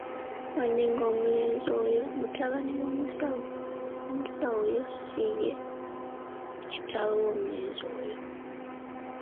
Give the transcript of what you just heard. Wadde ng'omulenzi yo mutabani wa musawo, omusawo oyo si ye kitaawe w'omulenzi oyo.